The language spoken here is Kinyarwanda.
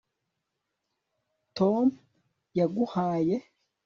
tom yaguhaye